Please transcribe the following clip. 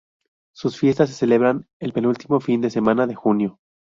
Sus fiestas se celebran el penúltimo fin de semana de junio.